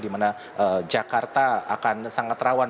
di mana jakarta akan sangat rawan